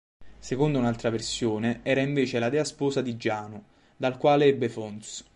Secondo un'altra versione era invece la dea sposa di Giano, dal quale ebbe Fons.